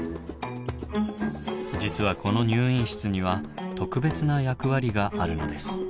実はこの入院室には特別な役割があるのです。